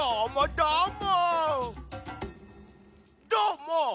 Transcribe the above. どーも！